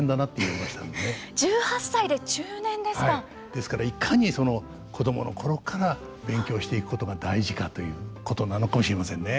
ですからいかに子供の頃から勉強していくことが大事かということなのかもしれませんね。